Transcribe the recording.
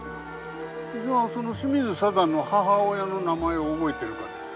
じゃあその清水さだの母親の名前を覚えてるかね？